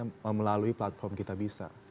memberikan uangnya melalui platform kitabisa